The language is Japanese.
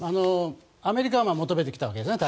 アメリカは対話を求めてきたわけですね。